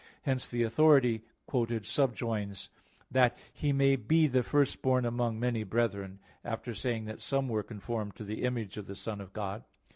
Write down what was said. Hence the authority quoted subjoins: "That He may be the First Born among many brethren," after saying that some were conformed to the image of the Son of God.